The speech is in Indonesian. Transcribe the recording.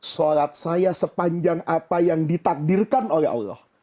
sholat saya sepanjang apa yang ditakdirkan oleh allah